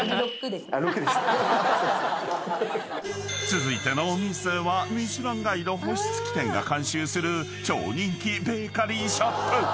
［続いてのお店は『ミシュランガイド』星付き店が監修する超人気ベーカリーショップ］